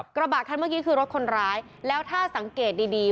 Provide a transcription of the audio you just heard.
กระบะคันเมื่อกี้คือรถคนร้ายแล้วถ้าสังเกตดีดี